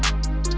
dan terus xx kan